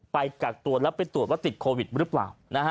ไปกากตรวจแล้วไปตรวจว่าติดโควิดรึเปล่า